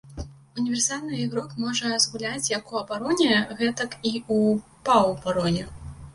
Універсальны ігрок, можа згуляць як у абароне, гэтак і ў паўабароне.